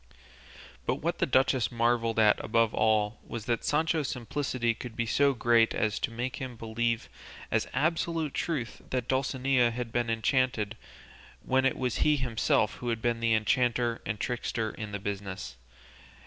But what the duchess marvelled at above all was that Sancho's simplicity could be so great as to make him believe as absolute truth that Dulcinea had been enchanted, when it was he himself who had been the enchanter and trickster in the business.